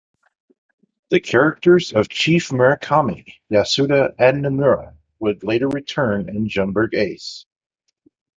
The characters of Chief Murakami, Yasuda and Nomura would later return in "Jumborg Ace".